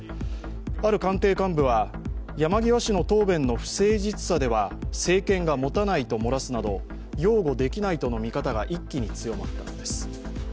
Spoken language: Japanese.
ある官邸幹部は、山際氏の答弁の不誠実さでは政権が持たないと漏らすなど擁護できないとの見方が一気に強まったのです。